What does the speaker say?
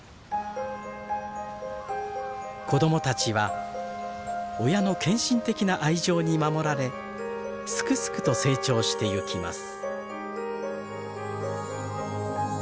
子供たちは親の献身的な愛情に守られスクスクと成長してゆきます。